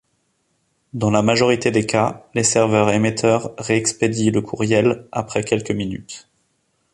Dans la majorité des cas, les serveurs émetteurs réexpédient le courriel après quelques minutes.